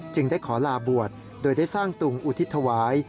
ได้ขอลาบวชโดยได้สร้างตุงอุทิศถวาย